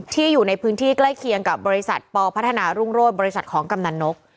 อยู่ในพื้นที่ใกล้เคียงกับบริษัทปพัฒนารุ่งโรศบริษัทของกำนันนก